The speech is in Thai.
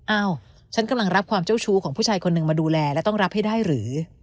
อ้าวฉันกำลังรับความเจ้าชู้ของผู้ชายคนหนึ่งมาดูแลและต้องรับให้ได้หรือ